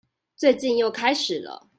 最近又開始了